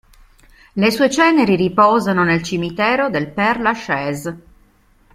Le sue ceneri riposano nel Cimitero del Père-Lachaise.